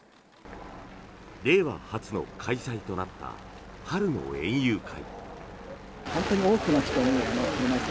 令和初の開催となった春の園遊会。